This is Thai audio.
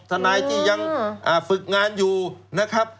ทนายที่ยังฝึกงานอยู่นะครับ